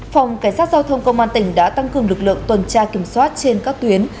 phòng cảnh sát giao thông công an tỉnh đã tăng cường lực lượng tuần tra kiểm soát trên các tuyến